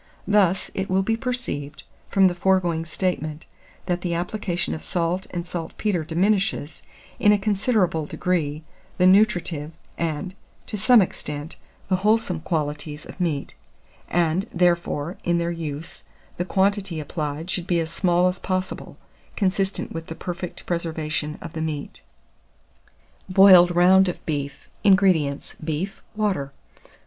Thus, it will be perceived, from the foregoing statement, that the application of salt and saltpetre diminishes, in a considerable degree, the nutritive, and, to some extent, the wholesome qualities of meat; and, therefore, in their use, the quantity applied should be as small as possible, consistent with the perfect preservation of the meat. BOILED ROUND OF BEEF. 608. INGREDIENTS. Beef, water.